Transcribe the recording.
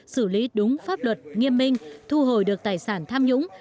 xử lý đúng pháp luật nghiêm minh thu hồi được tài sản tham nhũng